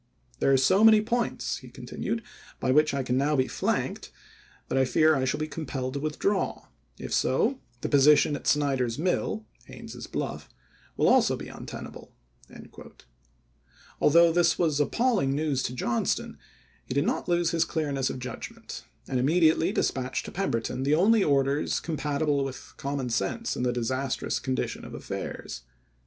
There are so many points," he continued, " by which I can be flanked, that I fear I shall be com pelled to withdraw ; if so, the position at Snyder's Vol. VJI.—13 194 ABRAHAM LINCOLN chap. vii. Mill [Haines's Bluff] will also be untenable." Al though this was appalling news to Johnston he did not lose his clearness of judgment, and immedi ately dispatched to Pemberton the only orders compatible with common sense in the disastrous condition of affairs.